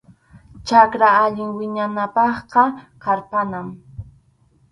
Chakra allin wiñananpaqqa qarpanam.